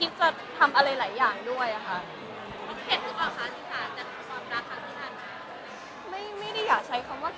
พี่สาธารณีเขาทำใจกันมักกิ๊บค่ะพี่สาธารณีเขาทำใจกันมักกิ๊บค่ะพี่สาธารณีเขาทำใจกันมักกิ๊บค่ะ